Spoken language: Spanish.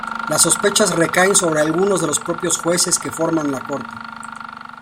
Las sospechas recaen sobre algunos de los propios jueces que forman la Corte.